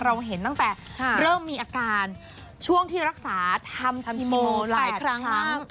เราเห็นตั้งแต่เริ่มมีอาการช่วงที่รักษาทำคีโมหลายครั้งมั้ง